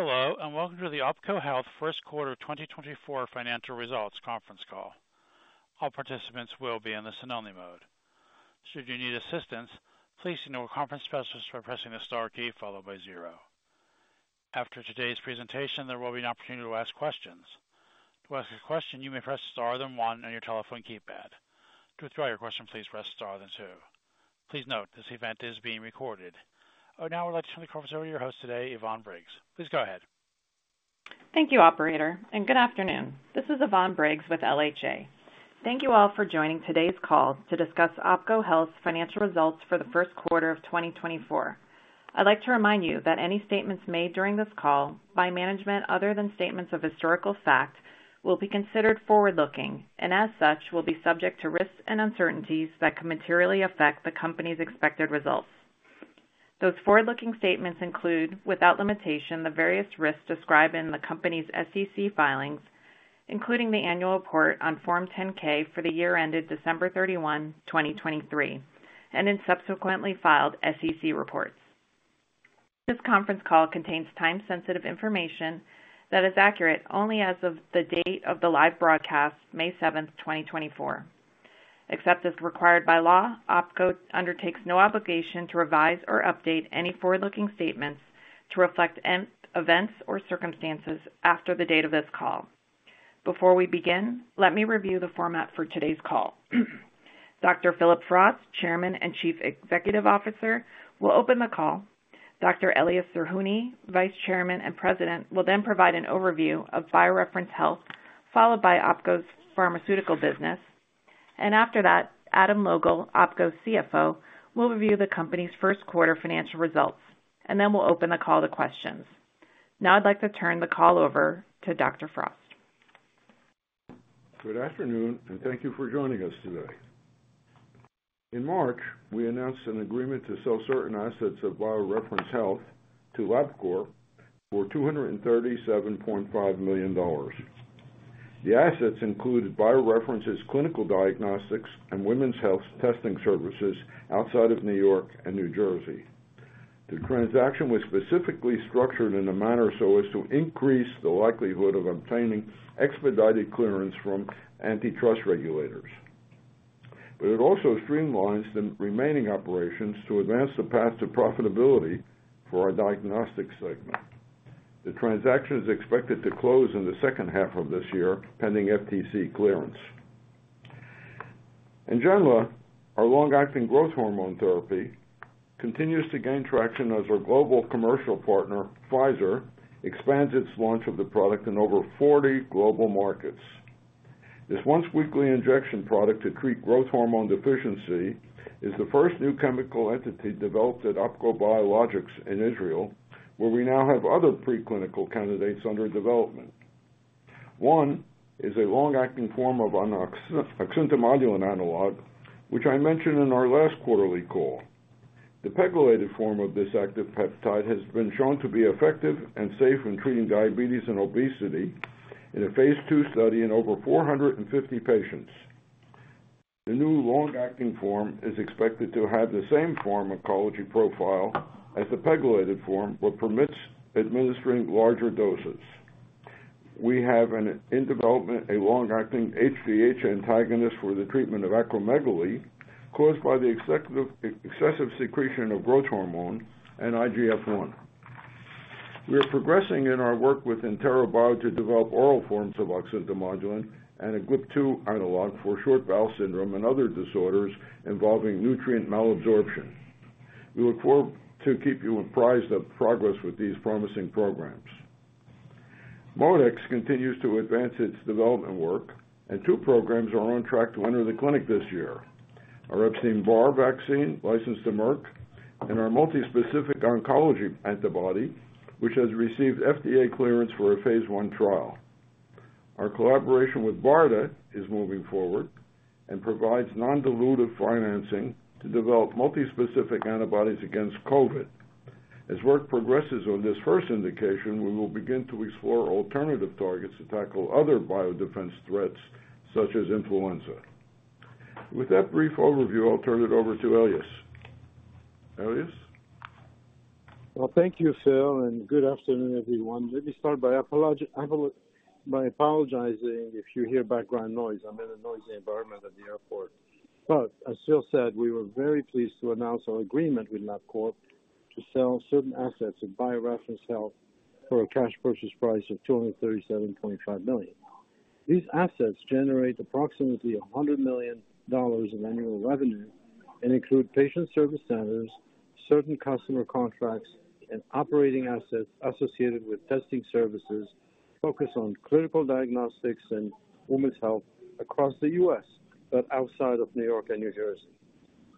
Hello, and welcome to the OPKO Health First Quarter 2024 Financial Results Conference Call. All participants will be in the listen-only mode. Should you need assistance, please signal a conference specialist by pressing the star key followed by zero. After today's presentation, there will be an opportunity to ask questions. To ask a question, you may press Star, then one on your telephone keypad. To withdraw your question, please press Star, then two. Please note, this event is being recorded. I would now like to turn the conference over to your host today, Yvonne Briggs. Please go ahead. Thank you, operator, and good afternoon. This is Yvonne Briggs with LHA. Thank you all for joining today's call to discuss OPKO Health's financial results for the first quarter of 2024. I'd like to remind you that any statements made during this call by management, other than statements of historical fact, will be considered forward-looking and as such, will be subject to risks and uncertainties that could materially affect the company's expected results. Those forward-looking statements include, without limitation, the various risks described in the company's SEC filings, including the annual report on Form 10-K for the year ended December 31, 2023, and in subsequently filed SEC reports. This conference call contains time-sensitive information that is accurate only as of the date of the live broadcast, May 7, 2024. Except as required by law, OPKO undertakes no obligation to revise or update any forward-looking statements to reflect any events or circumstances after the date of this call. Before we begin, let me review the format for today's call. Dr. Phillip Frost, Chairman and Chief Executive Officer, will open the call. Dr. Elias Zerhouni, Vice Chairman and President, will then provide an overview of BioReference Health, followed by OPKO's pharmaceutical business. After that, Adam Logal, OPKO's CFO, will review the company's first quarter financial results, and then we'll open the call to questions. Now, I'd like to turn the call over to Dr. Frost. Good afternoon, and thank you for joining us today. In March, we announced an agreement to sell certain assets of BioReference Health to LabCorp for $237.5 million. The assets included BioReference Health's clinical diagnostics, and women's health testing services outside of New York and New Jersey. The transaction was specifically structured in a manner so as to increase the likelihood of obtaining expedited clearance from antitrust regulators. But it also streamlines the remaining operations to advance the path to profitability for our diagnostic segment. The transaction is expected to close in the second half of this year, pending FTC clearance. In general, our long-acting growth hormone therapy continues to gain traction as our global commercial partner, Pfizer, expands its launch of the product in over 40 global markets. This once-weekly injection product to treat growth hormone deficiency is the first new chemical entity developed at OPKO Biologics in Israel, where we now have other preclinical candidates under development. One is a long-acting form of an oxyntomodulin analog, which I mentioned in our last quarterly call. The pegylated form of this active peptide has been shown to be effective and safe in treating diabetes and obesity in a phase 2 study in over 450 patients. The new long-acting form is expected to have the same pharmacology profile as the pegylated form, but permits administering larger doses. We have in development a long-acting GH antagonist for the treatment of acromegaly, caused by excessive secretion of growth hormone and IGF-1. We are progressing in our work with Entera Bio to develop oral forms of oxyntomodulin and a GLP-2 analog for short bowel syndrome and other disorders involving nutrient malabsorption. We look forward to keep you apprised of progress with these promising programs. ModeX continues to advance its development work, and two programs are on track to enter the clinic this year. Our Epstein-Barr vaccine, licensed to Merck, and our multispecific oncology antibody, which has received FDA clearance for a phase 1 trial. Our collaboration with BARDA is moving forward and provides non-dilutive financing to develop multispecific antibodies against COVID. As work progresses on this first indication, we will begin to explore alternative targets to tackle other biodefense threats, such as influenza. With that brief overview, I'll turn it over to Elias. Elias? Well, thank you, Phil, and good afternoon, everyone. Let me start by apologizing if you hear background noise. I'm in a noisy environment at the airport, but as Phil said, we were very pleased to announce our agreement with LabCorp to sell certain assets of BioReference Health for a cash purchase price of $237.5 million. These assets generate approximately $100 million in annual revenue and include patient service centers, certain customer contracts, and operating assets associated with testing services focused on clinical diagnostics and women's health across the U.S., but outside of New York and New Jersey.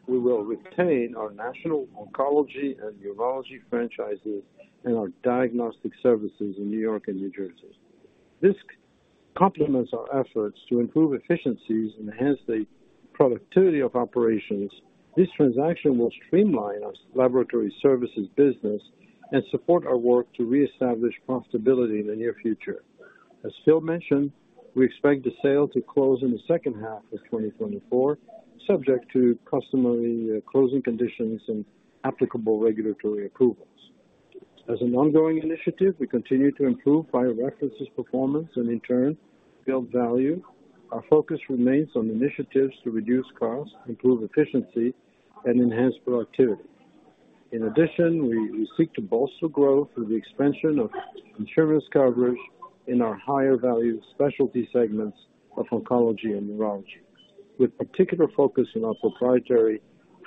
We will retain our national oncology and urology franchises and our diagnostic services in New York and New Jersey. This complements our efforts to improve efficiencies and enhance the productivity of operations. This transaction will streamline our laboratory services business and support our work to reestablish profitability in the near future. As Phil mentioned, we expect the sale to close in the second half of 2024, subject to customary closing conditions and applicable regulatory approvals. As an ongoing initiative, we continue to improve BioReference's performance and in turn, build value. Our focus remains on initiatives to reduce costs, improve efficiency and enhance productivity. In addition, we seek to bolster growth through the expansion of insurance coverage in our higher value specialty segments of oncology and neurology, with particular focus in our proprietary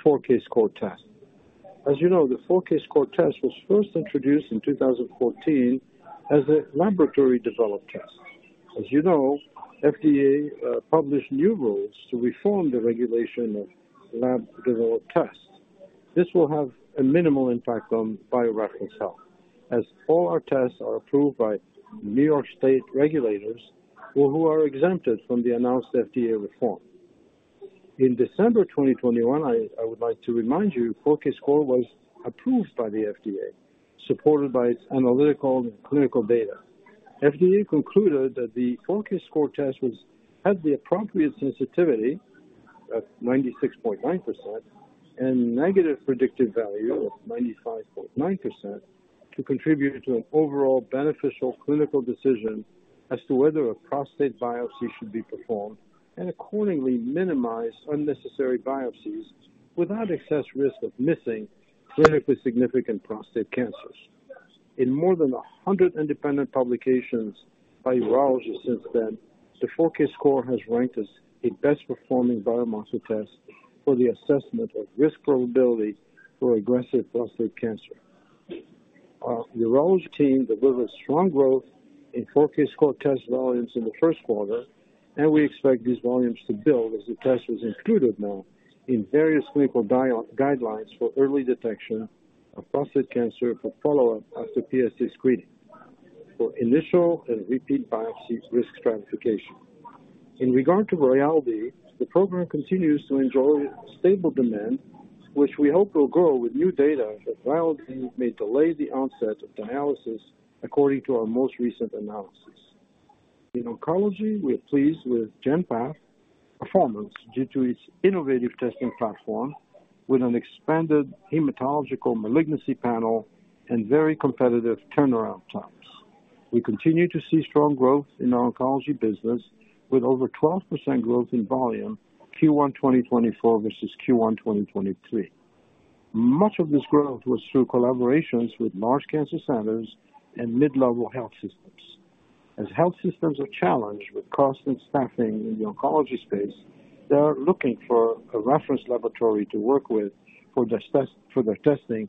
4Kscore test. As you know, the 4Kscore test was first introduced in 2014 as a laboratory-developed test. As you know, FDA published new rules to reform the regulation of lab-developed tests. This will have a minimal impact on BioReference Health, as all our tests are approved by New York State regulators, who are exempted from the announced FDA reform. In December 2021, I would like to remind you, 4Kscore was approved by the FDA, supported by its analytical and clinical data. FDA concluded that the 4Kscore test was, had the appropriate sensitivity of 96.9% and negative predictive value of 95.9%, to contribute to an overall beneficial clinical decision as to whether a prostate biopsy should be performed, and accordingly minimize unnecessary biopsies without excess risk of missing clinically significant prostate cancers. In more than 100 independent publications by urologists since then, the 4Kscore has ranked as the best performing biomarker test for the assessment of risk probability for aggressive prostate cancer. Our urology team delivered strong growth in 4Kscore test volumes in the first quarter, and we expect these volumes to build as the test was included now in various clinical guidelines for early detection of prostate cancer, for follow-up after PSA screening, for initial and repeat biopsy risk stratification. In regard to Rayaldee, the program continues to enjoy stable demand, which we hope will grow with new data that Rayaldee may delay the onset of dialysis according to our most recent analysis. In oncology, we are pleased with GenPath performance due to its innovative testing platform, with an expanded hematological malignancy panel and very competitive turnaround times. We continue to see strong growth in our oncology business, with over 12% growth in volume Q1 2024 versus Q1 2023. Much of this growth was through collaborations with large cancer centers and mid-level health systems. As health systems are challenged with cost and staffing in the oncology space, they are looking for a reference laboratory to work with for their test, for their testing,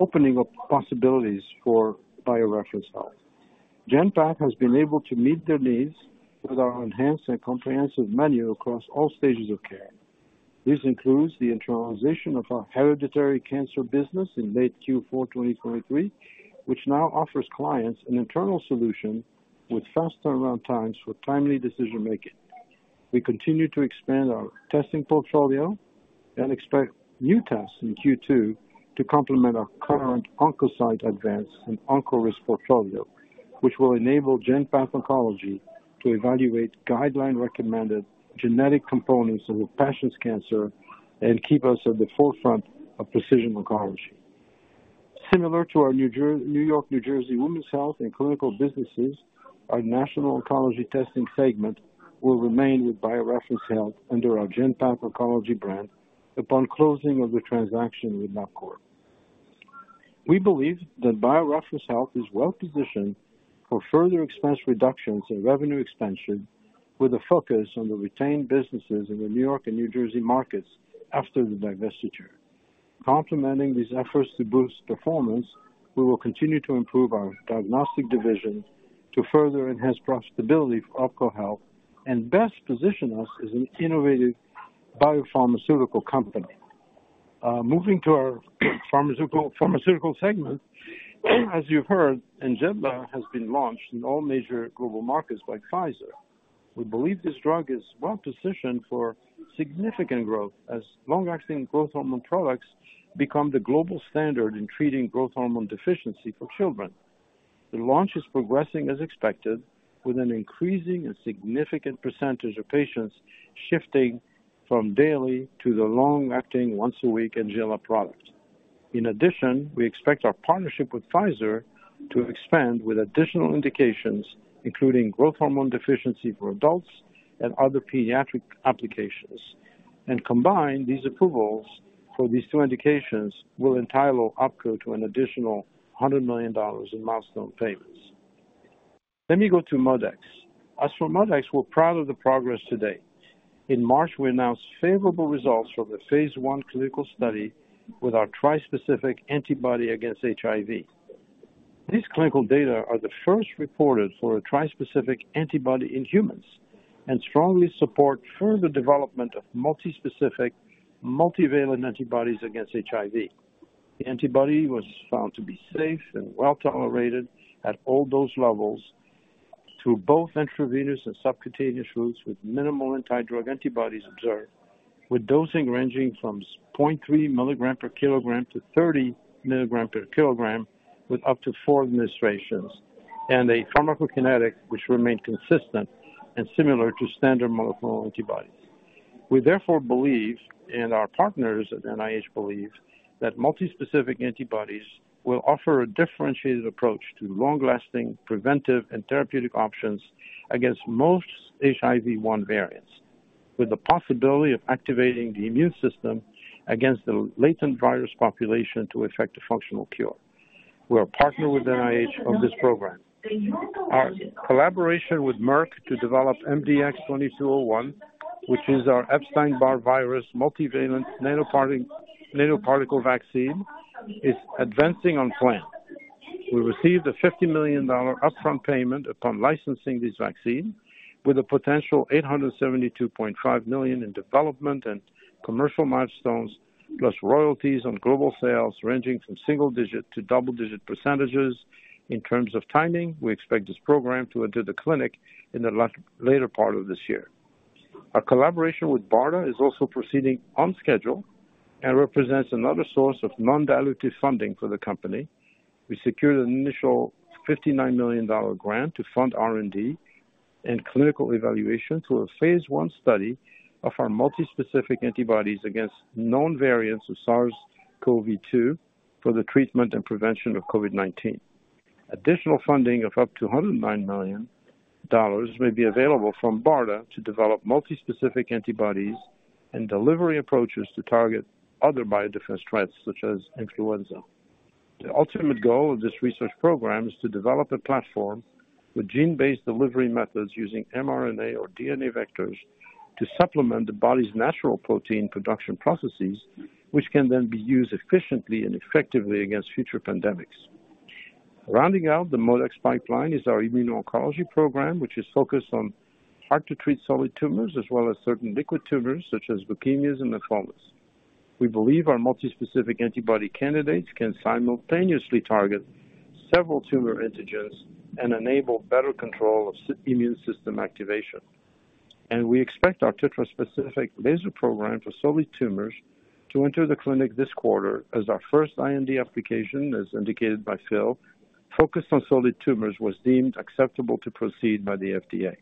opening up possibilities for BioReference Lab. GenPath has been able to meet their needs with our enhanced and comprehensive menu across all stages of care. This includes the internalization of our hereditary cancer business in late Q4, 2023, which now offers clients an internal solution with fast turnaround times for timely decision making. We continue to expand our testing portfolio and expect new tests in Q2 to complement our current OnkoSight Advanced and OnkoRisk portfolio, which will enable GenPath Oncology to evaluate guideline-recommended genetic components of a patient's cancer and keep us at the forefront of precision oncology. Similar to our New York, New Jersey Women's Health and Clinical businesses, our national oncology testing segment will remain with BioReference Health under our GenPath Oncology brand upon closing of the transaction with LabCorp. We believe that BioReference Health is well positioned for further expense reductions and revenue expansion, with a focus on the retained businesses in the New York and New Jersey markets after the divestiture. Complementing these efforts to boost performance, we will continue to improve our diagnostic division to further enhance profitability for OPKO Health and best position us as an innovative biopharmaceutical company. Moving to our pharmaceutical segment. As you've heard, Ngenla has been launched in all major global markets by Pfizer. We believe this drug is well positioned for significant growth as long-acting growth hormone products become the global standard in treating growth hormone deficiency for children. The launch is progressing as expected, with an increasing and significant percentage of patients shifting from daily to the long-acting once-a-week Ngenla product. In addition, we expect our partnership with Pfizer to expand with additional indications, including growth hormone deficiency for adults and other pediatric applications. Combined, these approvals for these two indications will entitle OPKO to an additional $100 million in milestone payments. Let me go to ModeX. As for ModeX, we're proud of the progress today. In March, we announced favorable results from the phase 1 clinical study with our tri-specific antibody against HIV. These clinical data are the first reported for a tri-specific antibody in humans, and strongly support further development of multi-specific, multivalent antibodies against HIV. The antibody was found to be safe and well tolerated at all dose levels through both intravenous and subcutaneous routes, with minimal anti-drug antibodies observed.... With dosing ranging from 0.3 mg/kg to 30 mg/kg, with up to 4 administrations and a pharmacokinetic which remain consistent and similar to standard monoclonal antibodies. We therefore believe, and our partners at NIH believe, that multispecific antibodies will offer a differentiated approach to long-lasting preventive and therapeutic options against most HIV-1 variants, with the possibility of activating the immune system against the latent virus population to effect a functional cure. We are partnered with NIH on this program. Our collaboration with Merck to develop MDX-2201, which is our Epstein-Barr virus, multivalent nanoparticle, nanoparticle vaccine, is advancing on plan. We received a $50 million upfront payment upon licensing this vaccine, with a potential $872.5 million in development and commercial milestones, plus royalties on global sales ranging from single-digit to double-digit percentages. In terms of timing, we expect this program to enter the clinic in the later part of this year. Our collaboration with BARDA is also proceeding on schedule and represents another source of non-dilutive funding for the company. We secured an initial $59 million grant to fund R&D and clinical evaluation through a phase one study of our multispecific antibodies against known variants of SARS-CoV-2 for the treatment and prevention of COVID-19. Additional funding of up to $109 million may be available from BARDA to develop multispecific antibodies and delivery approaches to target other biodefense threats, such as influenza. The ultimate goal of this research program is to develop a platform with gene-based delivery methods using mRNA or DNA vectors to supplement the body's natural protein production processes, which can then be used efficiently and effectively against future pandemics. Rounding out the ModeX pipeline is our immuno-oncology program, which is focused on hard-to-treat solid tumors, as well as certain liquid tumors such as leukemias and lymphomas. We believe our multispecific antibody candidates can simultaneously target several tumor antigens and enable better control of immune system activation. We expect our tetraspecific latest program for solid tumors to enter the clinic this quarter as our first IND application, as indicated by Phil, focused on solid tumors, was deemed acceptable to proceed by the FDA.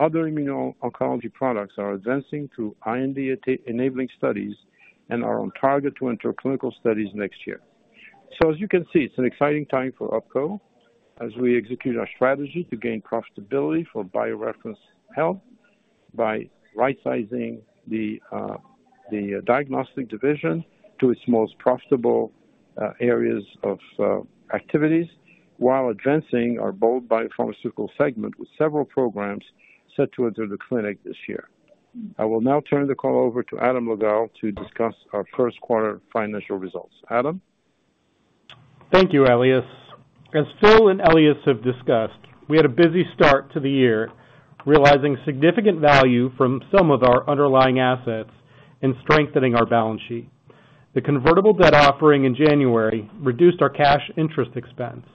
Other immuno-oncology products are advancing through IND-enabling studies and are on target to enter clinical studies next year. So as you can see, it's an exciting time for OPKO as we execute our strategy to gain profitability for BioReference Health by right-sizing the diagnostic division to its most profitable areas of activities, while advancing our bold biopharmaceutical segment, with several programs set to enter the clinic this year. I will now turn the call over to Adam Logal to discuss our first quarter financial results. Adam? Thank you, Elias. As Phil and Elias have discussed, we had a busy start to the year, realizing significant value from some of our underlying assets and strengthening our balance sheet. The convertible debt offering in January reduced our cash interest expense.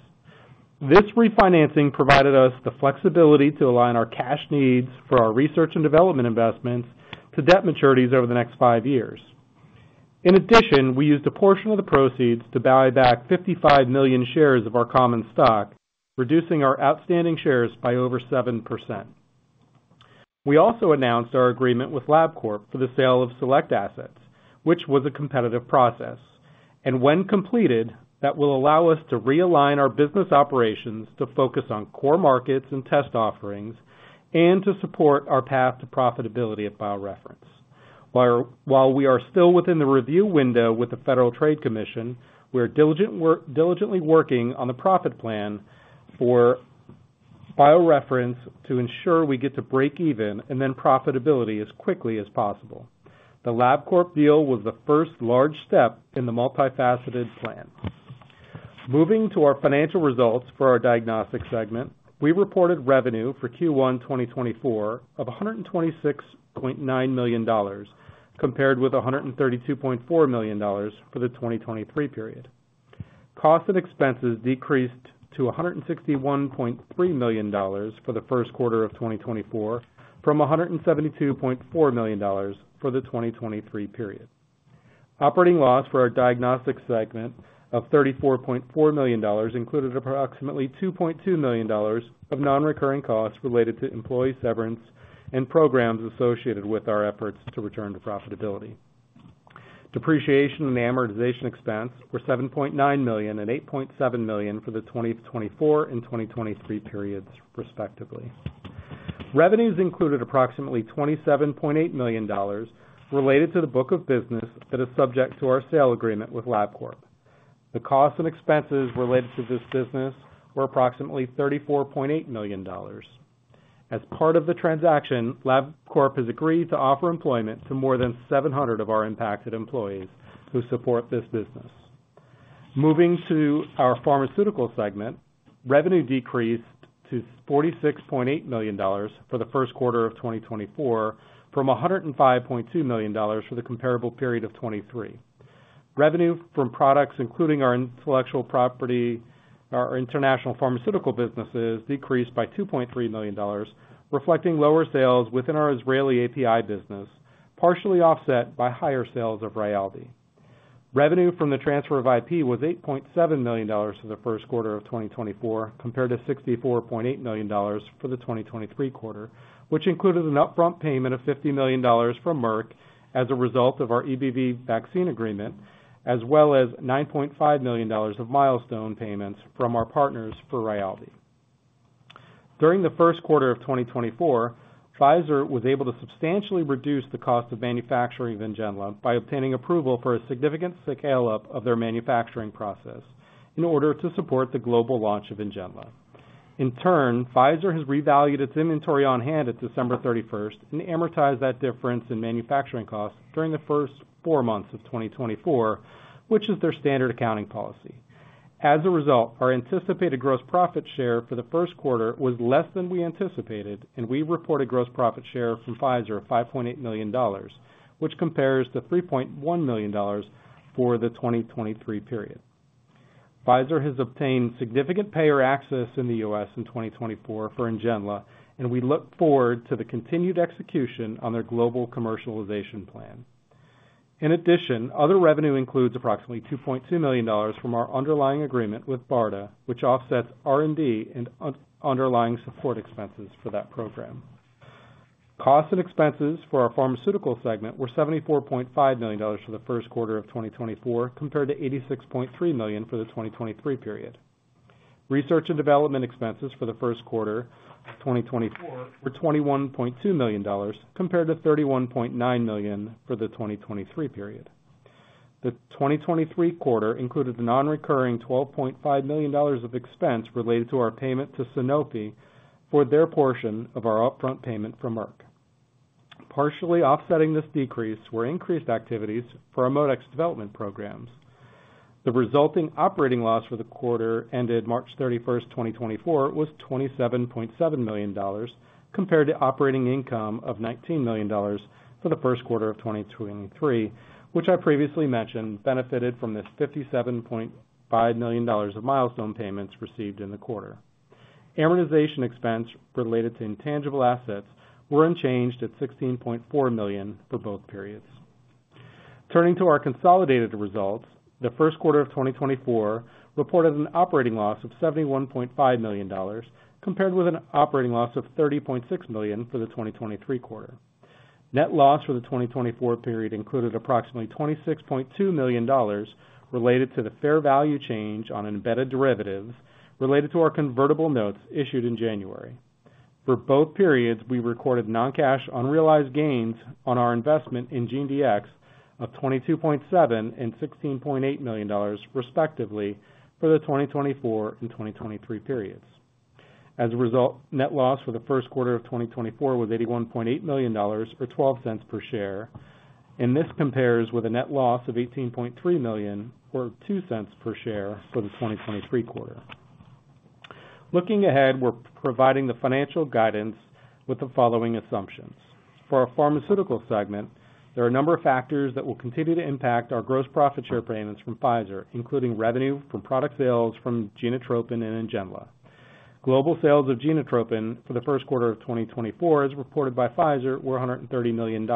This refinancing provided us the flexibility to align our cash needs for our research and development investments to debt maturities over the next five years. In addition, we used a portion of the proceeds to buy back 55 million shares of our common stock, reducing our outstanding shares by over 7%. We also announced our agreement with LabCorp for the sale of select assets, which was a competitive process, and when completed, that will allow us to realign our business operations to focus on core markets and test offerings and to support our path to profitability at BioReference. While we are still within the review window with the Federal Trade Commission, we are diligently working on the profit plan for BioReference to ensure we get to breakeven and then profitability as quickly as possible. The LabCorp deal was the first large step in the multifaceted plan. Moving to our financial results for our diagnostic segment, we reported revenue for Q1 2024 of $126.9 million, compared with $132.4 million for the 2023 period. Costs and expenses decreased to $161.3 million for the first quarter of 2024, from $172.4 million for the 2023 period. Operating loss for our diagnostic segment of $34.4 million included approximately $2.2 million of non-recurring costs related to employee severance and programs associated with our efforts to return to profitability. Depreciation and amortization expense were $7.9 million and $8.7 million for the 2024 and 2023 periods, respectively. Revenues included approximately $27.8 million related to the book of business that is subject to our sale agreement with LabCorp. The costs and expenses related to this business were approximately $34.8 million. As part of the transaction, LabCorp has agreed to offer employment to more than 700 of our impacted employees who support this business. Moving to our pharmaceutical segment, revenue decreased to $46.8 million for the first quarter of 2024, from $105.2 million for the comparable period of 2023. Revenue from products, including our intellectual property, our international pharmaceutical businesses, decreased by $2.3 million, reflecting lower sales within our Israeli API business, partially offset by higher sales of Rayaldee. Revenue from the transfer of IP was $8.7 million for the first quarter of 2024, compared to $64.8 million for the 2023 quarter, which included an upfront payment of $50 million from Merck as a result of our EBV vaccine agreement, as well as $9.5 million of milestone payments from our partners for Rayaldee. During the first quarter of 2024, Pfizer was able to substantially reduce the cost of manufacturing of Ngenla by obtaining approval for a significant scale-up of their manufacturing process in order to support the global launch of Ngenla. In turn, Pfizer has revalued its inventory on hand at December 31st and amortized that difference in manufacturing costs during the first four months of 2024, which is their standard accounting policy. As a result, our anticipated gross profit share for the first quarter was less than we anticipated, and we reported gross profit share from Pfizer of $5.8 million, which compares to $3.1 million for the 2023 period. Pfizer has obtained significant payer access in the U.S. in 2024 for Ngenla, and we look forward to the continued execution on their global commercialization plan. In addition, other revenue includes approximately $2.2 million from our underlying agreement with BARDA, which offsets R&D and underlying support expenses for that program. Costs and expenses for our pharmaceutical segment were $74.5 million for the first quarter of 2024, compared to $86.3 million for the 2023 period. Research and development expenses for the first quarter of 2024 were $21.2 million compared to $31.9 million for the 2023 period. The 2023 quarter included a non-recurring $12.5 million of expense related to our payment to Sanofi for their portion of our upfront payment from Merck. Partially offsetting this decrease were increased activities for our ModeX development programs. The resulting operating loss for the quarter ended March 31, 2024, was $27.7 million, compared to operating income of $19 million for the first quarter of 2023, which I previously mentioned, benefited from this $57.5 million of milestone payments received in the quarter. Amortization expense related to intangible assets were unchanged at $16.4 million for both periods. Turning to our consolidated results, the first quarter of 2024 reported an operating loss of $71.5 million, compared with an operating loss of $30.6 million for the 2023 quarter. Net loss for the 2024 period included approximately $26.2 million, related to the fair value change on an embedded derivative related to our convertible notes issued in January. For both periods, we recorded non-cash unrealized gains on our investment in GeneDx of $22.7 million and $16.8 million, respectively, for the 2024 and 2023 periods. As a result, net loss for the first quarter of 2024 was $81.8 million, or $0.12 per share, and this compares with a net loss of $18.3 million, or $0.02 per share for the 2023 quarter. Looking ahead, we're providing the financial guidance with the following assumptions: For our pharmaceutical segment, there are a number of factors that will continue to impact our gross profit share payments from Pfizer, including revenue from product sales from Genotropin and Ngenla. Global sales of Genotropin for the first quarter of 2024, as reported by Pfizer, were $130 million,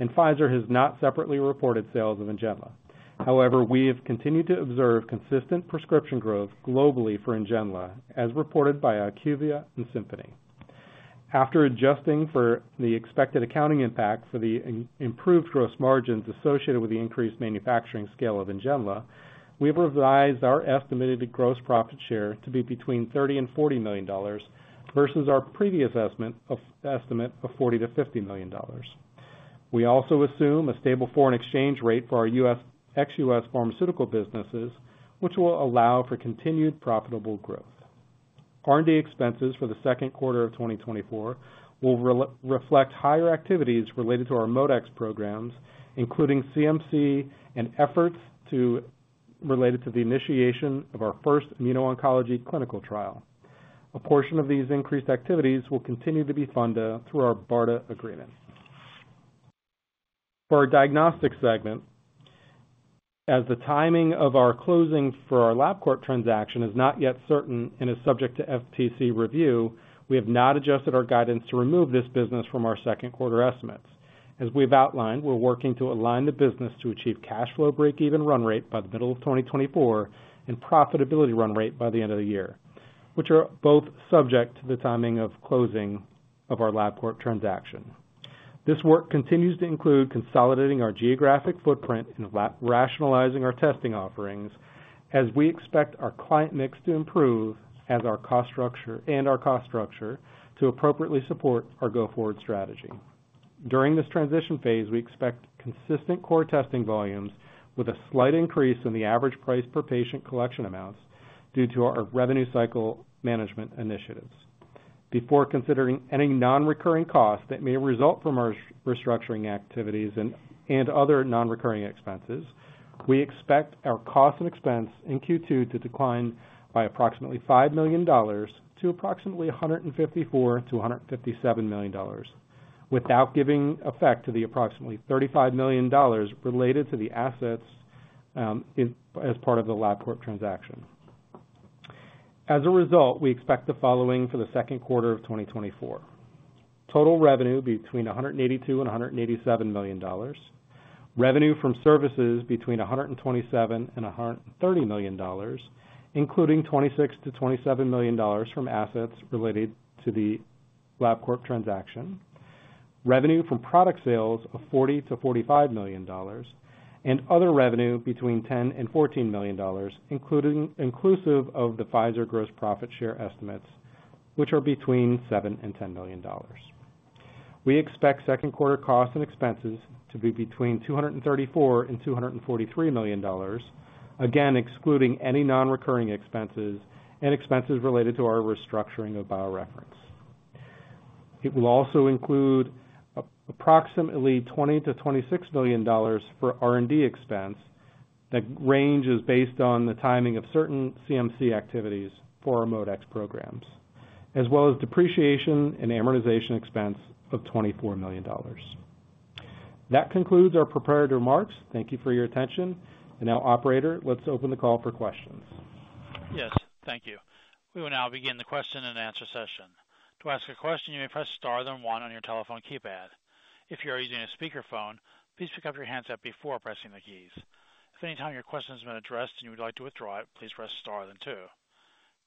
and Pfizer has not separately reported sales of Ngenla. However, we have continued to observe consistent prescription growth globally for Ngenla, as reported by IQVIA and Symphony. After adjusting for the expected accounting impact for the improved gross margins associated with the increased manufacturing scale of Ngenla, we've revised our estimated gross profit share to be between $30 million and $40 million versus our previous estimate of $40-$50 million. We also assume a stable foreign exchange rate for our U.S. ex-U.S. pharmaceutical businesses, which will allow for continued profitable growth. R&D expenses for the second quarter of 2024 will reflect higher activities related to our ModeX programs, including CMC and efforts related to the initiation of our first immuno-oncology clinical trial. A portion of these increased activities will continue to be funded through our BARDA agreement. For our diagnostic segment, as the timing of our closing for our LabCorp transaction is not yet certain and is subject to FTC review, we have not adjusted our guidance to remove this business from our second quarter estimates. As we've outlined, we're working to align the business to achieve cash flow break even run rate by the middle of 2024, and profitability run rate by the end of the year, which are both subject to the timing of closing of our LabCorp transaction. This work continues to include consolidating our geographic footprint and rationalizing our testing offerings as we expect our client mix to improve as our cost structure to appropriately support our go-forward strategy. During this transition phase, we expect consistent core testing volumes with a slight increase in the average price per patient collection amounts due to our revenue cycle management initiatives. Before considering any non-recurring costs that may result from our restructuring activities and other non-recurring expenses, we expect our cost and expense in Q2 to decline by approximately $5 million to approximately $154 million-$157 million.... without giving effect to the approximately $35 million related to the assets, in, as part of the LabCorp transaction. As a result, we expect the following for the second quarter of 2024: total revenue between $182 million and $187 million, revenue from services between $127 million and $130 million, including $26 million-$27 million from assets related to the LabCorp transaction, revenue from product sales of $40 million-$45 million, and other revenue between $10 million and $14 million, inclusive of the Pfizer gross profit share estimates, which are between $7 million and $10 million. We expect second quarter costs and expenses to be between $234 million and $243 million, again, excluding any non-recurring expenses and expenses related to our restructuring of BioReference. It will also include approximately $20 million-$26 million for R&D expense. That range is based on the timing of certain CMC activities for our ModeX programs, as well as depreciation and amortization expense of $24 million. That concludes our prepared remarks. Thank you for your attention. And now, Operator, let's open the call for questions. Yes, thank you. We will now begin the question-and-answer session. To ask a question, you may press star then one on your telephone keypad. If you're using a speakerphone, please pick up your handset before pressing the keys. If at any time your question has been addressed and you would like to withdraw it, please press star then two.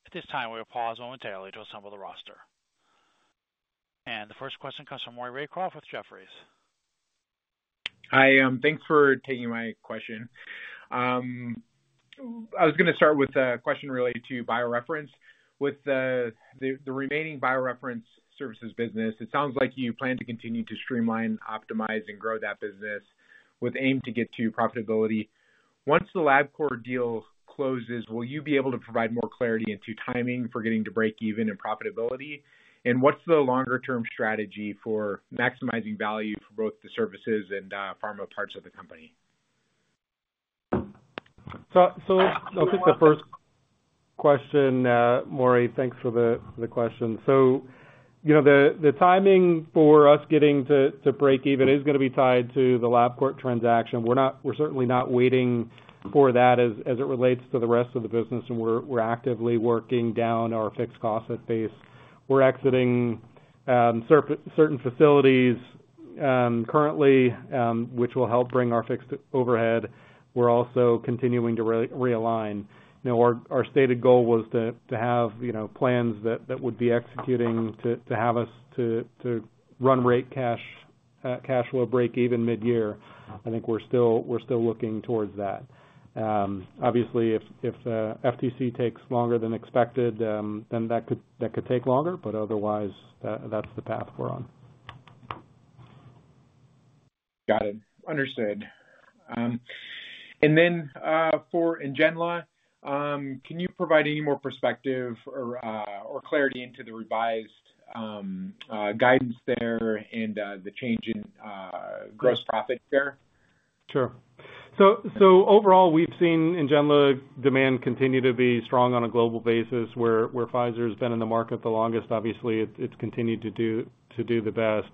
At this time, we will pause momentarily to assemble the roster. The first question comes from Maury Raycroft with Jefferies. Hi, thanks for taking my question. I was gonna start with a question related to BioReference. With the remaining BioReference services business, it sounds like you plan to continue to streamline, optimize, and grow that business with aim to get to profitability. Once the LabCorp deal closes, will you be able to provide more clarity into timing for getting to breakeven and profitability? And what's the longer-term strategy for maximizing value for both the services and pharma parts of the company? So, I'll take the first question, Maury. Thanks for the question. So, you know, the timing for us getting to breakeven is gonna be tied to the LabCorp transaction. We're not-- We're certainly not waiting for that as it relates to the rest of the business, and we're actively working down our fixed cost base. We're exiting certain facilities currently, which will help bring our fixed overhead. We're also continuing to realign. You know, our stated goal was to have plans that would be executing, to have us to run rate cash cash flow breakeven mid-year. I think we're still looking towards that. Obviously, if FTC takes longer than expected, then that could take longer, but otherwise, that's the path we're on. Got it. Understood. And then, for Ngenla, can you provide any more perspective or clarity into the revised guidance there and the change in gross profit there? Sure. So overall, we've seen Ngenla demand continue to be strong on a global basis, where Pfizer's been in the market the longest, obviously, it's continued to do the best.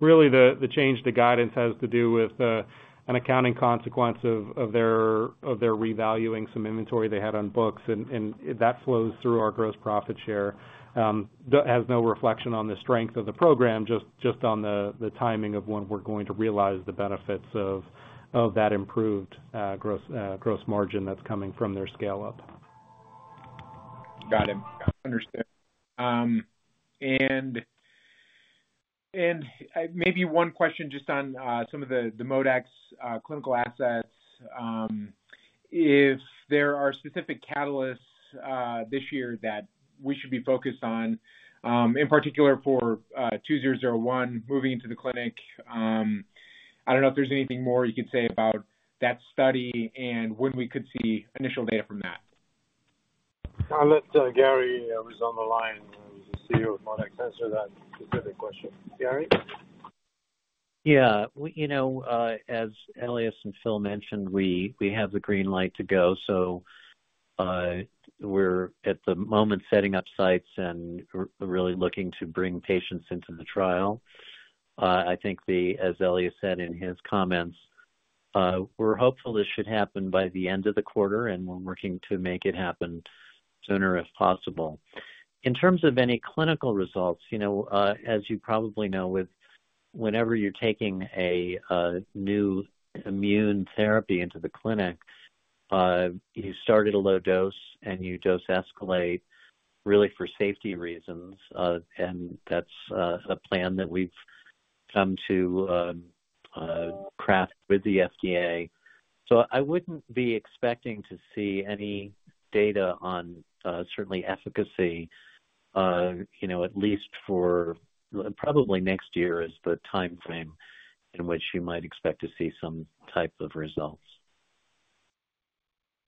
Really, the change to guidance has to do with an accounting consequence of their revaluing some inventory they had on books, and that flows through our gross profit share. That has no reflection on the strength of the program, just on the timing of when we're going to realize the benefits of that improved gross margin that's coming from their scale-up. Got it. Understood. Maybe one question just on some of the ModeX clinical assets, if there are specific catalysts this year that we should be focused on, in particular for 2001 moving into the clinic. I don't know if there's anything more you could say about that study and when we could see initial data from that. I'll let Gary, who's on the line, who's the CEO of ModeX, answer that specific question. Gary? Yeah. Well, you know, as Elias and Phil mentioned, we have the green light to go, so we're at the moment setting up sites and really looking to bring patients into the trial. I think, as Elias said in his comments, we're hopeful this should happen by the end of the quarter, and we're working to make it happen sooner, if possible. In terms of any clinical results, you know, as you probably know, with whenever you're taking a new immune therapy into the clinic, you start at a low dose, and you dose escalate really for safety reasons, and that's a plan that we've come to craft with the FDA. I wouldn't be expecting to see any data on, certainly efficacy, you know, at least for probably next year, is the timeframe in which you might expect to see some type of results.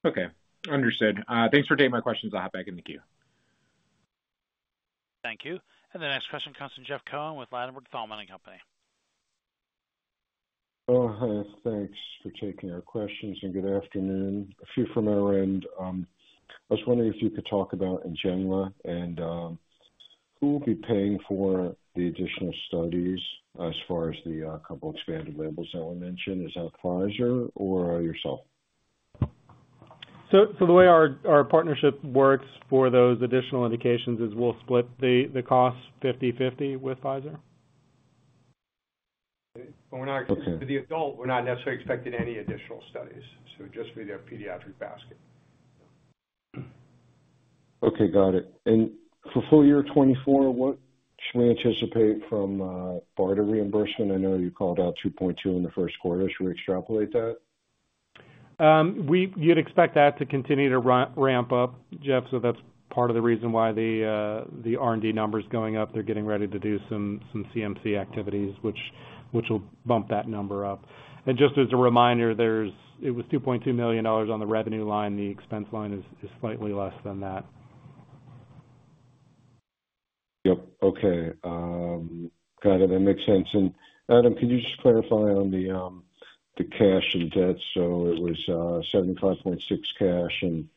Okay, understood. Thanks for taking my questions. I'll hop back in the queue. Thank you. The next question comes from Jeff Cohen with Ladenburg Thalmann Company.... Oh, hi, thanks for taking our questions, and good afternoon. A few from our end. I was wondering if you could talk about Ngenla and who will be paying for the additional studies as far as the couple expanded labels that were mentioned? Is that Pfizer or yourself? The way our partnership works for those additional indications is we'll split the cost 50/50 with Pfizer. Okay. For the adult, we're not necessarily expecting any additional studies, so just for their pediatric basket. Okay, got it. And for full year 2024, what should we anticipate from BARDA reimbursement? I know you called out $2.2 in the first quarter. Should we extrapolate that? We'd expect that to continue to ramp up, Jeff, so that's part of the reason why the R&D number's going up. They're getting ready to do some CMC activities, which will bump that number up. And just as a reminder, there was $2.2 million on the revenue line. The expense line is slightly less than that. Yep. Okay. Got it. That makes sense. And Adam, can you just clarify on the, the cash and debt? So it was, $75.6 cash and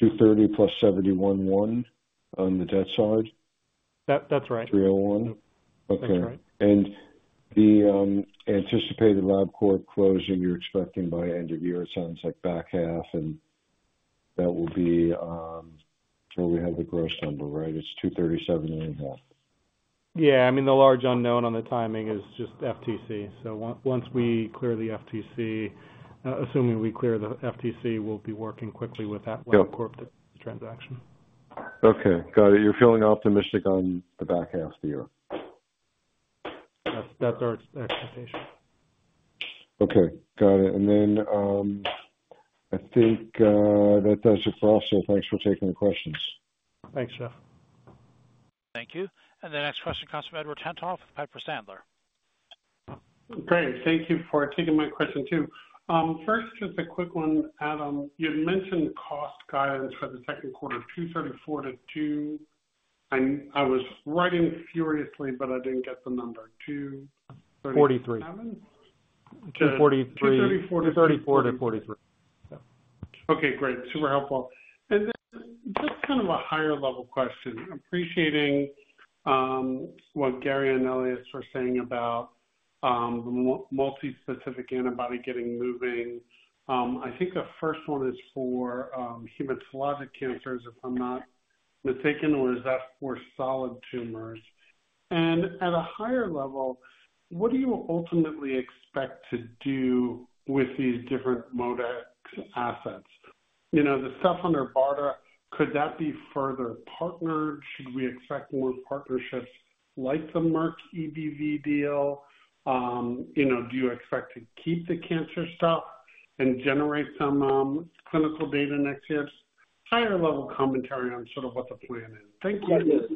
$230 + $71.1 on the debt side? That, that's right. 301? That's right. Okay. And the anticipated LabCorp closing, you're expecting by end of year, it sounds like back half, and that will be where we have the gross number, right? It's $237.5. Yeah, I mean, the large unknown on the timing is just FTC. So once we clear the FTC, assuming we clear the FTC, we'll be working quickly with that- Yep. LabCorp transaction. Okay, got it. You're feeling optimistic on the back half of the year? That's our expectation. Okay, got it. And then, I think, that does it for us. So thanks for taking the questions. Thanks, Jeff. Thank you. And the next question comes from Edward Tenthoff, Piper Sandler. Great. Thank you for taking my question, too. First, just a quick one, Adam. You had mentioned cost guidance for the second quarter, $234-$2, and I was writing furiously, but I didn't get the number. 2 30- Forty-three. Seven? Two forty-three. 2:34 to- 234 to 234. Yep. Okay, great. Super helpful. And then just kind of a higher level question, appreciating what Gary and Elias were saying about multispecific antibody getting moving. I think the first one is for hematologic cancers, if I'm not mistaken, or is that for solid tumors? And at a higher level, what do you ultimately expect to do with these different ModeX assets? You know, the stuff under BARDA, could that be further partnered? Should we expect more partnerships like the Merck EBV deal? You know, do you expect to keep the cancer stuff and generate some clinical data next year? Higher level commentary on sort of what the plan is. Thank you. I'm happy.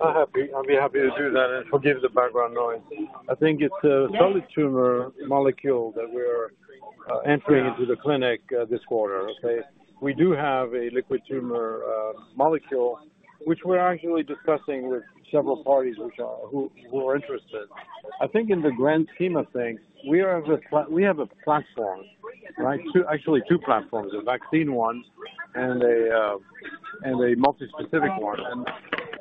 I'll be happy to do that, and forgive the background noise. I think it's a solid tumor molecule that we're entering into the clinic this quarter. Okay? We do have a liquid tumor molecule, which we're actually discussing with several parties who are interested. I think in the grand scheme of things, we have a platform, right? Two, actually, two platforms, a vaccine one and a multispecific one.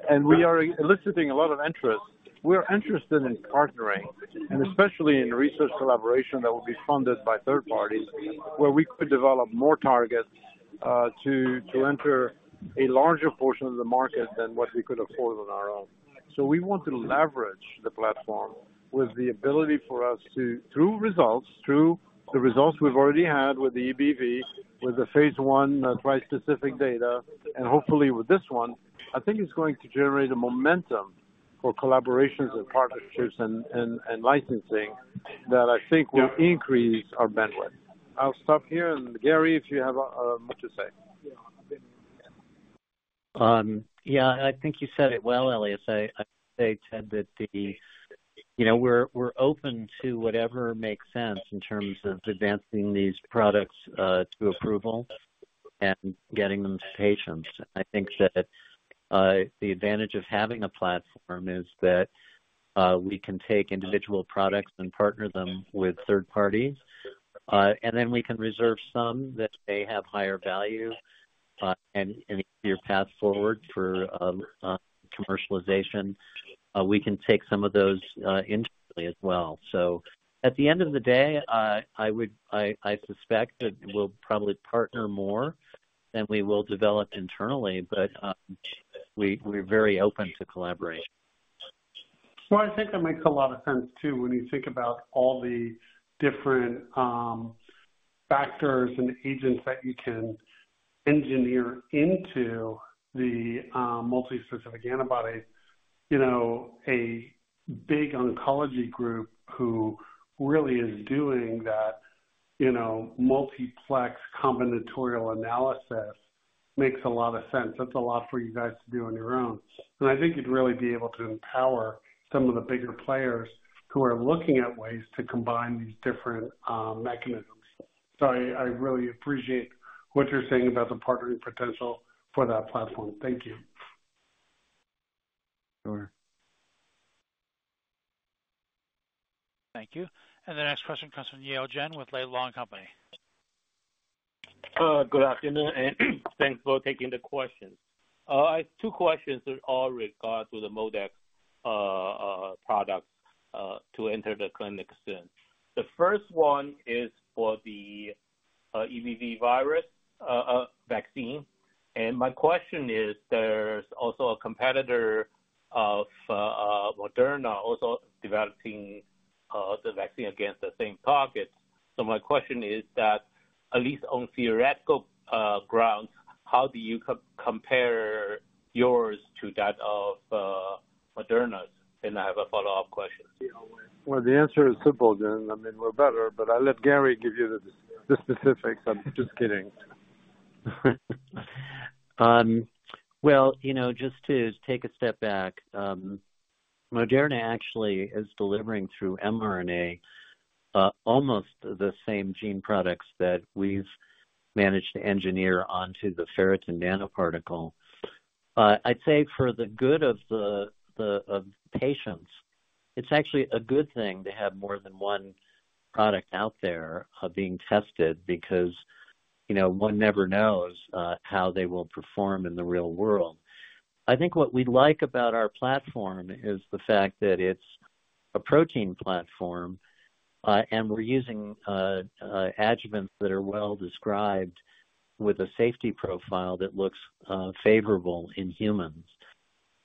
And we are eliciting a lot of interest. We're interested in partnering, and especially in research collaboration that will be funded by third parties, where we could develop more targets to enter a larger portion of the market than what we could afford on our own. We want to leverage the platform with the ability for us to, through results, through the results we've already had with the EBV, with the phase 1 trispecific data, and hopefully with this one, I think it's going to generate a momentum for collaborations and partnerships and licensing that I think will increase our bandwidth. I'll stop here, and Gary, if you have much to say. Yeah, I think you said it well, Elias. I said that the... You know, we're open to whatever makes sense in terms of advancing these products to approval and getting them to patients. I think that the advantage of having a platform is that we can take individual products and partner them with third parties, and then we can reserve some that may have higher value and a clear path forward for commercialization. We can take some of those internally as well. So at the end of the day, I suspect that we'll probably partner more than we will develop internally, but we're very open to collaborate. Well, I think that makes a lot of sense, too, when you think about all the different, factors and agents that you can engineer into the, multispecific antibody. You know, a big oncology group who really is doing that, you know, multiplex combinatorial analysis makes a lot of sense. That's a lot for you guys to do on your own, and I think you'd really be able to empower some of the bigger players who are looking at ways to combine these different, mechanisms. So I, I really appreciate what you're saying about the partnering potential for that platform. Thank you. ... Sure. Thank you. The next question comes from Yale Jen with Laidlaw & Company. Good afternoon, and thanks for taking the questions. I have two questions that all regard to the ModeX product to enter the clinic soon. The first one is for the EBV virus vaccine. And my question is, there's also a competitor of Moderna also developing the vaccine against the same target. So my question is that, at least on theoretical grounds, how do you compare yours to that of Moderna's? And I have a follow-up question. Well, the answer is simple, Jen. I mean, we're better, but I'll let Gary give you the specifics. I'm just kidding. Well, you know, just to take a step back, Moderna actually is delivering through mRNA almost the same gene products that we've managed to engineer onto the ferritin nanoparticle. I'd say for the good of the of patients, it's actually a good thing to have more than one product out there being tested, because, you know, one never knows how they will perform in the real world. I think what we like about our platform is the fact that it's a protein platform and we're using adjuvants that are well described with a safety profile that looks favorable in humans.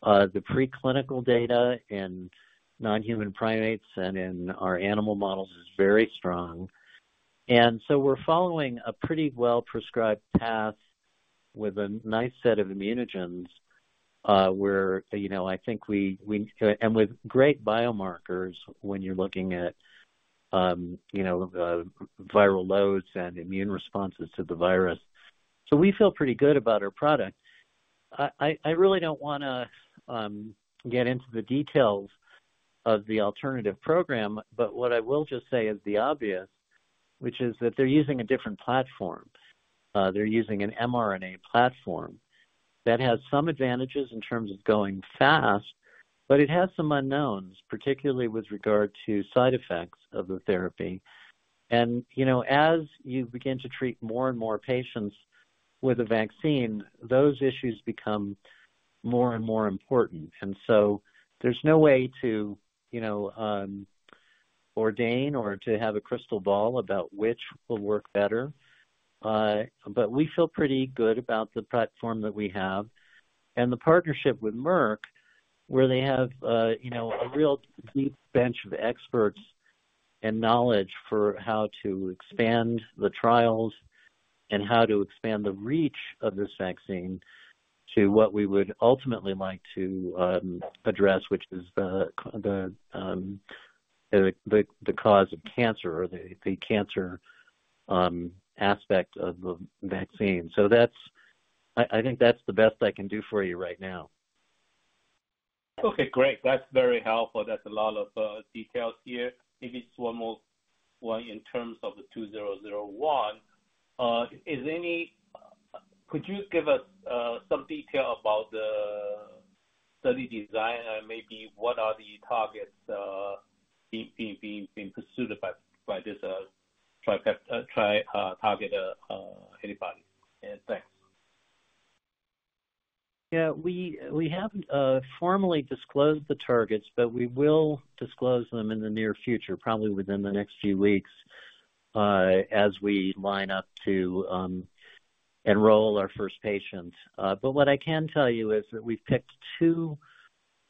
The preclinical data in non-human primates and in our animal models is very strong. And so we're following a pretty well-prescribed path with a nice set of immunogens where, you know, I think we... And with great biomarkers when you're looking at, you know, viral loads and immune responses to the virus. So we feel pretty good about our product. I really don't wanna get into the details of the alternative program, but what I will just say is the obvious, which is that they're using a different platform. They're using an mRNA platform. That has some advantages in terms of going fast, but it has some unknowns, particularly with regard to side effects of the therapy. And, you know, as you begin to treat more and more patients with a vaccine, those issues become more and more important. And so there's no way to, you know, ordain or to have a crystal ball about which will work better. But we feel pretty good about the platform that we have and the partnership with Merck, where they have a, you know, a real deep bench of experts and knowledge for how to expand the trials and how to expand the reach of this vaccine to what we would ultimately like to address, which is the cause of cancer or the cancer aspect of the vaccine. So that's. I think that's the best I can do for you right now. Okay, great. That's very helpful. That's a lot of details here. Maybe just one more, one in terms of the 2001. Could you give us some detail about the study design and maybe what are the targets being pursued by this trispecific antibody? And thanks. Yeah, we haven't formally disclosed the targets, but we will disclose them in the near future, probably within the next few weeks, as we line up to enroll our first patients. But what I can tell you is that we've picked 2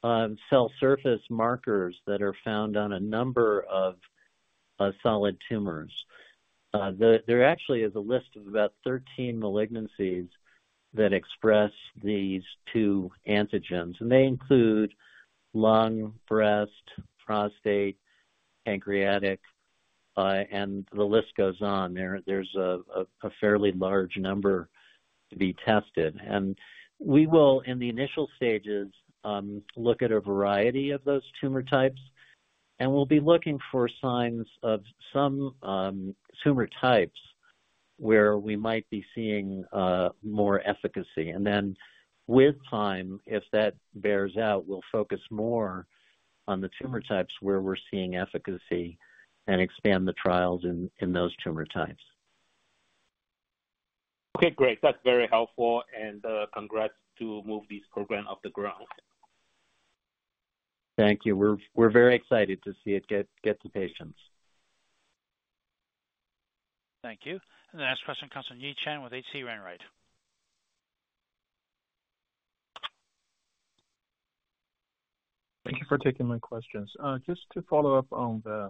cell surface markers that are found on a number of solid tumors. There actually is a list of about 13 malignancies that express these 2 antigens, and they include lung, breast, prostate, pancreatic, and the list goes on. There's a fairly large number to be tested. And we will, in the initial stages, look at a variety of those tumor types, and we'll be looking for signs of some tumor types where we might be seeing more efficacy. And then with time, if that bears out, we'll focus more on the tumor types where we're seeing efficacy and expand the trials in those tumor types. Okay, great. That's very helpful, and, congrats to move this program off the ground. Thank you. We're very excited to see it get to patients. Thank you. The next question comes from Yi Chen with H.C. Wainwright. Thank you for taking my questions. Just to follow up on the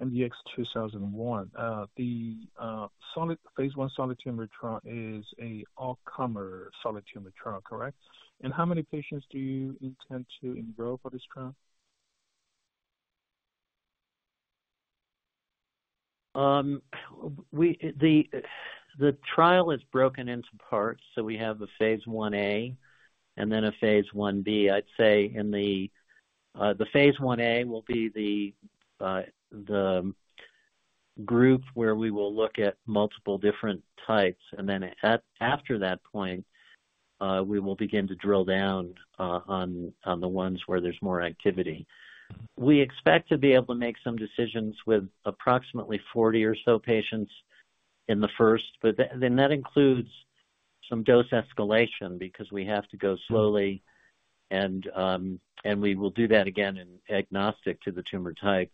MDX-2001. The solid phase 1 solid tumor trial is a all-comer solid tumor trial, correct? And how many patients do you intend to enroll for this trial? The trial is broken into parts, so we have a phase 1A and then a phase 1B. I'd say in the phase 1A will be the group where we will look at multiple different types, and then after that point, we will begin to drill down on the ones where there's more activity. We expect to be able to make some decisions with approximately 40 or so patients in the first, but then that includes some dose escalation because we have to go slowly and we will do that again agnostic to the tumor type.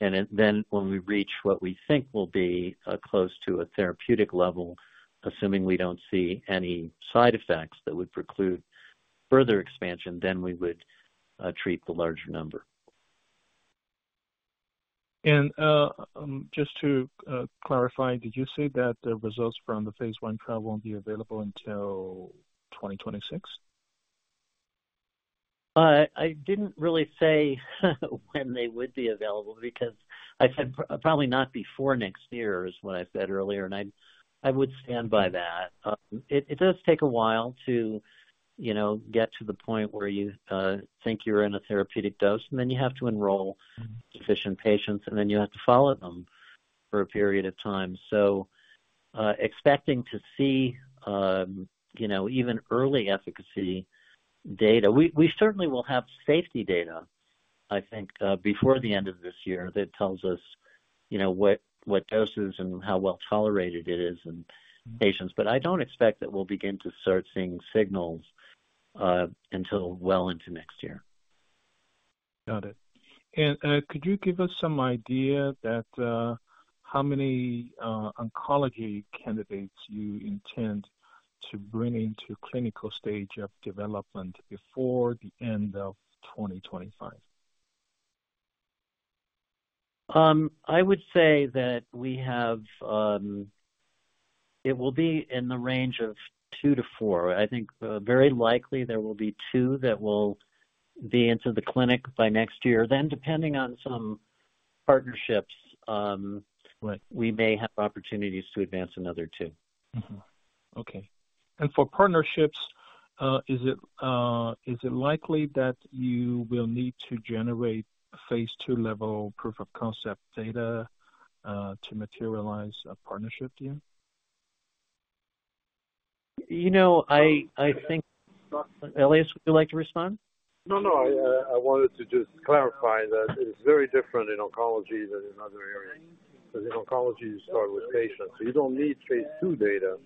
And then when we reach what we think will be close to a therapeutic level, assuming we don't see any side effects that would preclude further expansion, then we would treat the larger number. Just to clarify, did you say that the results from the phase 1 trial won't be available until 2026? I didn't really say when they would be available because I said probably not before next year, is what I said earlier, and I, I would stand by that. It does take a while to, you know, get to the point where you think you're in a therapeutic dose, and then you have to enroll sufficient patients, and then you have to follow them for a period of time. So, expecting to see, you know, even early efficacy data. We certainly will have safety data, I think, before the end of this year that tells us, you know, what doses and how well tolerated it is in patients. But I don't expect that we'll begin to start seeing signals, until well into next year. Got it. And, could you give us some idea that, how many, oncology candidates you intend to bring into clinical stage of development before the end of 2025? I would say that we have. It will be in the range of 2-4. I think, very likely there will be 2 that will be into the clinic by next year. Then, depending on some partnerships, we may have opportunities to advance another 2. Mm-hmm. Okay. And for partnerships, is it likely that you will need to generate phase 2-level proof of concept data to materialize a partnership deal? You know, I think, Elias, would you like to respond? No, no. I wanted to just clarify that it's very different in oncology than in other areas, because in oncology, you start with patients. So you don't need phase 2 data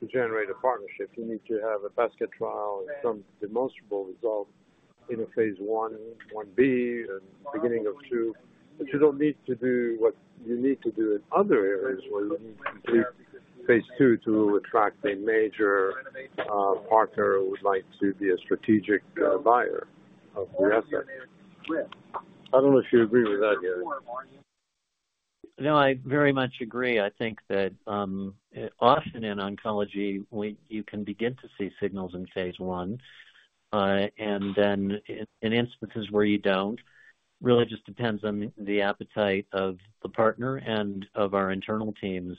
to generate a partnership. You need to have a basket trial and some demonstrable results in a phase 1, 1b and beginning of 2. But you don't need to do what you need to do in other areas, where you need to complete phase 2 to attract a major partner who would like to be a strategic buyer of the asset. I don't know if you agree with that, Gary. No, I very much agree. I think that often in oncology, you can begin to see signals in phase 1. And then in instances where you don't, really just depends on the appetite of the partner and of our internal teams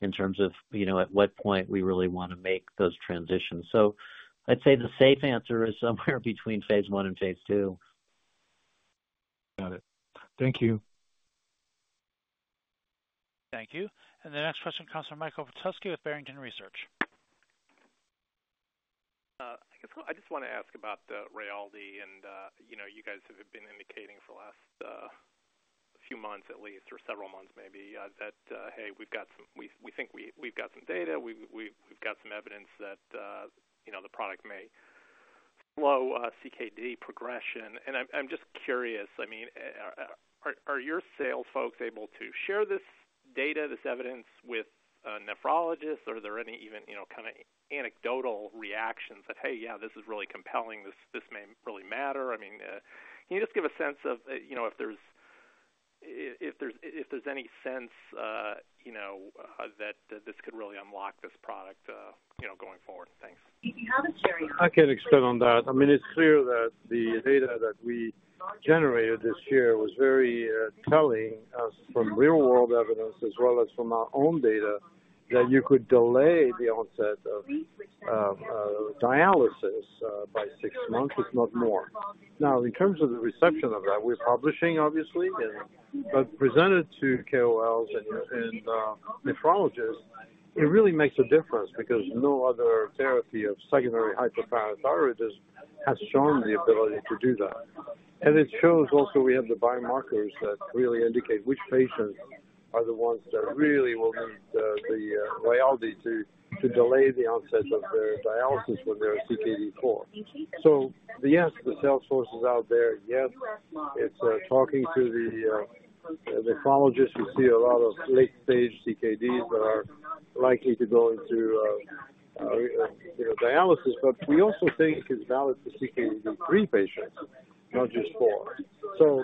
in terms of, you know, at what point we really want to make those transitions. So I'd say the safe answer is somewhere between phase 1 and phase 2. Got it. Thank you. Thank you. The next question comes from Michael Petusky with Barrington Research. I guess I just want to ask about the Rayaldee and, you know, you guys have been indicating for the last few months at least, or several months maybe, that hey, we think we've got some data, we've got some evidence that, you know, the product may slow CKD progression. And I'm just curious, I mean, are your sales folks able to share this data, this evidence with nephrologists? Or are there any even, you know, kind of anecdotal reactions that, hey, yeah, this is really compelling, this may really matter? I mean, can you just give a sense of, you know, if there's any sense, you know, that this could really unlock this product, you know, going forward? Thanks. I can expand on that. I mean, it's clear that the data that we generated this year was very, telling us from real-world evidence as well as from our own data, that you could delay the onset of, dialysis, by six months, if not more. Now, in terms of the reception of that, we're publishing, obviously, and, but presented to KOLs and, and, nephrologists, it really makes a difference because no other therapy of secondary hyperparathyroidism has shown the ability to do that. And it shows also we have the biomarkers that really indicate which patients are the ones that really will need the, the, Rayaldee to, to delay the onset of their dialysis when they're CKD four. So yes, the sales force is out there. Yes, it's talking to the the nephrologists who see a lot of late-stage CKDs that are likely to go into, you know, dialysis. But we also think it's valid for CKD 3 patients, not just 4. So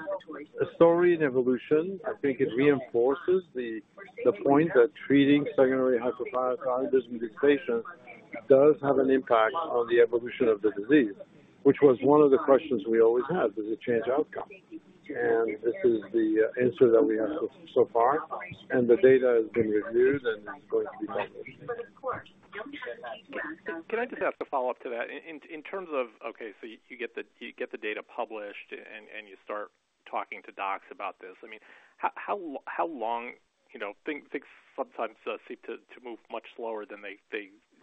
the story and evolution, I think it reinforces the the point that treating secondary hyperparathyroidism in these patients does have an impact on the evolution of the disease, which was one of the questions we always had. Does it change outcome? And this is the answer that we have so far, and the data has been reviewed and is going to be published. Can I just ask a follow-up to that? In terms of... Okay, so you get the data published and you start talking to docs about this. I mean, how long? You know, things sometimes seem to move much slower than they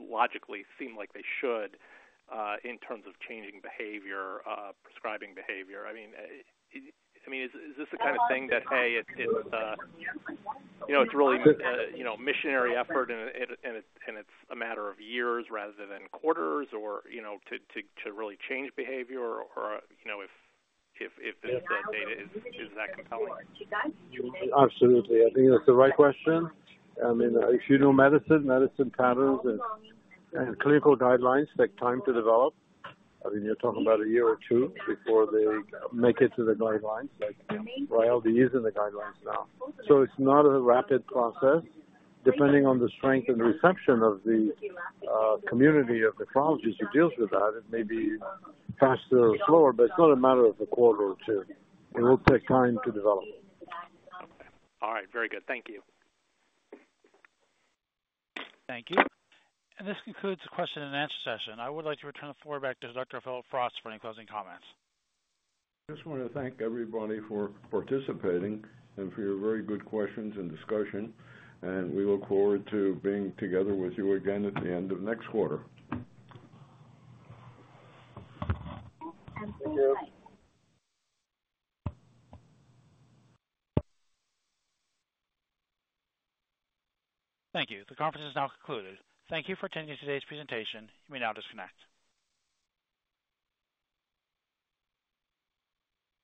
logically seem like they should in terms of changing behavior, prescribing behavior. I mean, is this the kind of thing that, hey, it's you know, it's really you know, missionary effort and it's a matter of years rather than quarters or you know, to really change behavior or you know, if the data is that compelling? Absolutely. I think that's the right question. I mean, if you know medicine, medicine patterns and clinical guidelines take time to develop. I mean, you're talking about a year or two before they make it to the guidelines, like, Rayaldee is in the guidelines now. So it's not a rapid process, depending on the strength and reception of the community of nephrologists who deals with that, it may be faster or slower, but it's not a matter of a quarter or two. It will take time to develop. All right. Very good. Thank you. Thank you. This concludes the question and answer session. I would like to return the floor back to Dr. Phillip Frost for any closing comments. Just want to thank everybody for participating and for your very good questions and discussion, and we look forward to being together with you again at the end of next quarter. Thank you. Thank you. The conference is now concluded. Thank you for attending today's presentation. You may now disconnect.